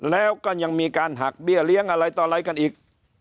แล้วก็ยังมีการหักเบี้ยเลี้ยงอะไรต่ออะไรกันอีก